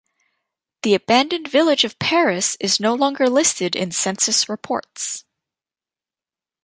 The abandoned village of Paris is no longer listed in census reports.